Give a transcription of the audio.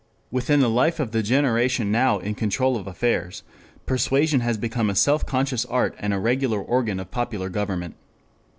Within the life of the generation now in control of affairs, persuasion has become a self conscious art and a regular organ of popular government.